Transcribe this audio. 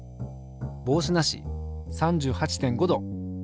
帽子なし３８．５℃！